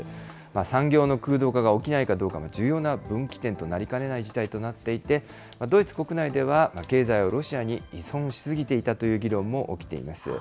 産業の空洞化が起きないかどうかの重要な分岐点となりかねない事態となっていて、ドイツ国内では経済をロシアに依存し過ぎていたという議論も起きています。